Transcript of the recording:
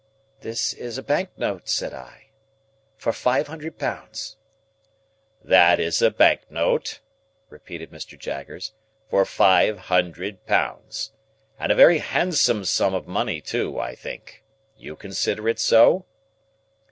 "This is a bank note," said I, "for five hundred pounds." "That is a bank note," repeated Mr. Jaggers, "for five hundred pounds. And a very handsome sum of money too, I think. You consider it so?"